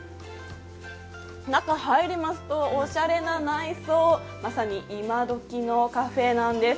中入りますとおしゃれな内装、まさにイマドキのカフェなんです。